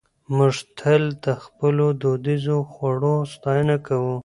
موږ تل د خپلو دودیزو خوړو ستاینه کوو.